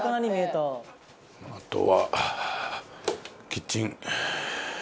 豊ノ島：あとはキッチン。